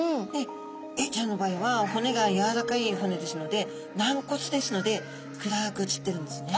エイちゃんの場合は骨がやわらかい骨ですので軟骨ですので暗く写ってるんですね。